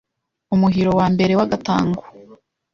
Umuhiro wa mbere w’agatango